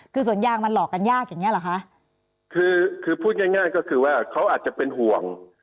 คือสวนยางมันหลอกกันยากอย่างเงี้เหรอคะคือคือพูดง่ายง่ายก็คือว่าเขาอาจจะเป็นห่วง